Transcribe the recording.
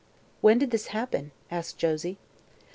"When did this happen?" asked Josie.